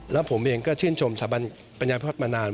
และผมเองก็ชื่นชมสถาบันปัญญาพิพธมานาน